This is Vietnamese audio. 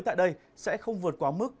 tại đây sẽ không vượt quá mức